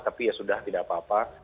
tapi ya sudah tidak apa apa